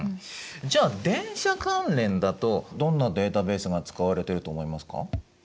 じゃあ電車関連だとどんなデータベースが使われていると思いますか？